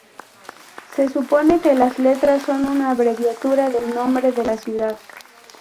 Se supone que las letras son una abreviatura del nombre de la ciudad.